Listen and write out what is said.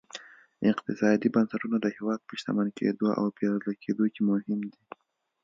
اقتصادي بنسټونه د هېواد په شتمن کېدو او بېوزله کېدو کې مهم دي.